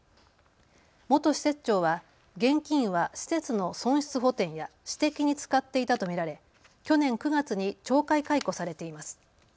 元施設長は現金は施設の損失補填や私的に使っていたと見られ去年９月に懲戒解雇されています。